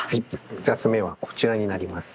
２冊目はこちらになります。